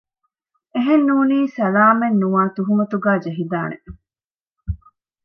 އެހެން ނޫނީ ސަލާމަތްނުވާ ތުހުމަތުގައި ޖެހިދާނެ